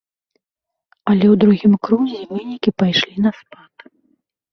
Але ў другім крузе вынікі пайшлі на спад.